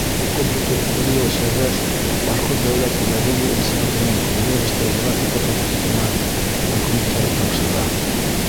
Уҡып бөтөп, бер йыл эшләгәс, Башҡорт дәүләт педагогия институтының художество-графика факультетына документтарын тапшыра.